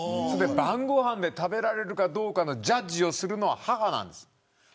晩ご飯で食べられるかどうかのジャッジをするのは、母です。